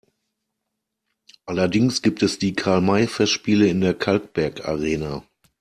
Allerdings gibt es die Karl-May-Festspiele in der Kalkbergarena.